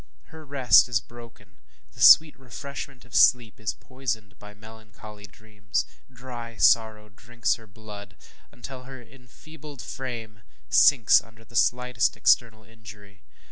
Her rest is broken the sweet refreshment of sleep is poisoned by melancholy dreams ŌĆ£dry sorrow drinks her blood, ŌĆØ until her enfeebled frame sinks under the slightest external injury.